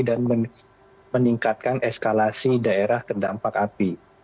dan meningkatkan eskalasi daerah terdampak api